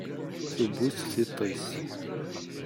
Tewwi-t tiṭ-is.